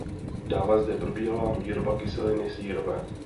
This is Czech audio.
Dále zde probíhala výroba kyseliny sírové.